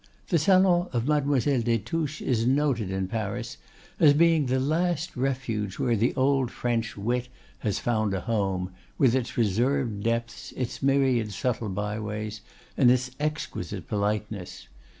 The salon of Mademoiselle des Touches is noted in Paris as being the last refuge where the old French wit has found a home, with its reserved depths, its myriad subtle byways, and its exquisite politeness.